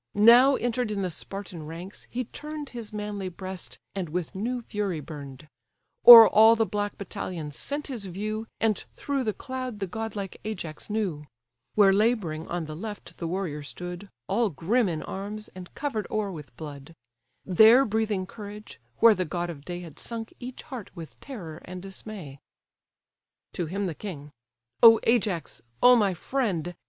Now enter'd in the Spartan ranks, he turn'd His manly breast, and with new fury burn'd; O'er all the black battalions sent his view, And through the cloud the godlike Ajax knew; Where labouring on the left the warrior stood, All grim in arms, and cover'd o'er with blood; There breathing courage, where the god of day Had sunk each heart with terror and dismay. To him the king: "Oh Ajax, oh my friend!